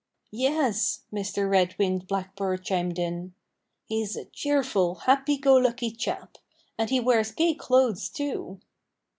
"Yes!" Mr. Red winged Blackbird chimed in. "He's a cheerful, happy go lucky chap. And he wears gay clothes, too."